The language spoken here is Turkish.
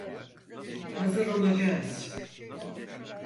Hazır olacağız.